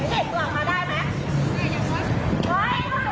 แล้วเขาเขียนให้เด็กตัวออกมาได้มั้ย